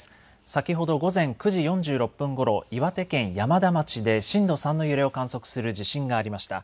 先ほど午前９時４６分ごろ岩手県山田町で震度３の揺れを観測する地震がありました。